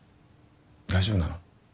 大丈夫なの？